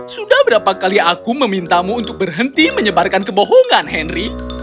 sudah berapa kali aku memintamu untuk berhenti menyebarkan kebohongan henry